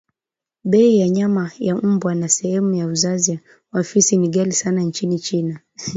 bei ya nyama ya mbwa na sehemu za uzazi wa fisi ni ghali sana nchini China